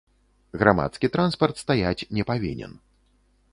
Грамадскі транспарт стаяць не павінен.